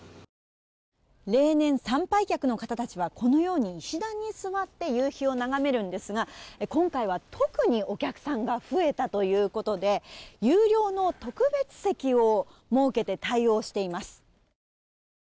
例年、参拝客の方たちはこのように石段に座って夕日を眺めるんですが今回は特にお客さんが増えたということで有料の特別席を設けて対応しています。